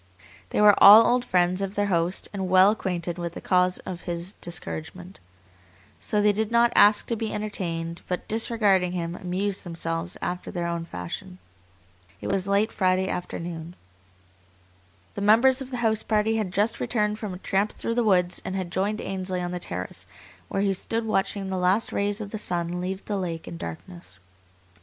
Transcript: They were all old friends of their host and well acquainted with the cause of his discouragement. So they did not ask to be entertained, but, disregarding him, amused themselves after their own fashion. It was late Friday afternoon. The members of the house party had just returned from a tramp through the woods and had joined Ainsley on the terrace, where he stood watching the last rays of the sun leave the lake in darkness.